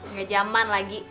nggak zaman lagi